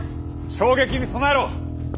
衝撃に備えろ！